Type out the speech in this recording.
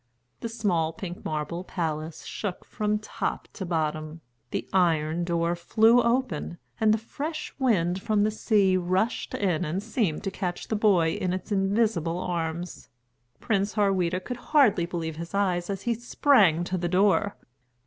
The small, pink marble palace shook from top to bottom, the iron door flew open, and the fresh wind from the sea rushed in and seemed to catch the boy in its invisible arms. Prince Harweda could hardly believe his eyes as he sprang to the door.